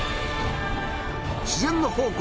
自然の宝庫